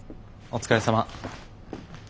お疲れさま。